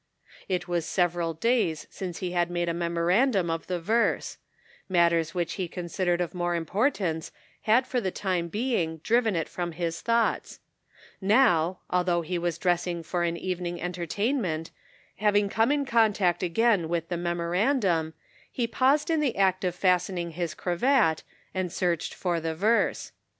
It was several days since he had made a memorandum of the verse ; matters which he considered of more importance had for the time being driven it from his thoughts ; now, although he was dressing for an evening enter tainment, having come in contact again with the memorandum, he paused in the act of fast ening his cravat, and searched *for the verse.